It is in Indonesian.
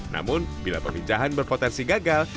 namun bila peminjahan berpotensi gagal